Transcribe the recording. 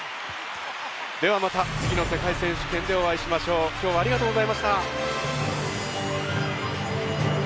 ではまた次の世界選手権でお会いしましょう。今日はありがとうございました。